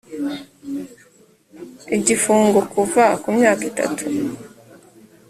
igifungo kuva ku myaka itatu